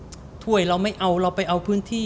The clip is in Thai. ถ้วยเราไม่เอาเราไปเอาพื้นที่